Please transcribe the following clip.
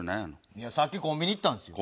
いやさっきコンビニに行ったんですよ。